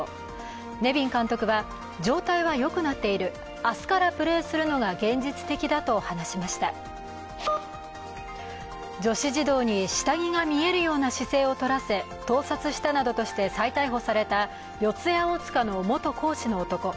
ネビン監督は、状態はよくなっている、明日からプレーするのが現実的だと話しました女子児童に下着が見えるような姿勢をとらせ盗撮したなどとして再逮捕された四谷大塚の元講師の男。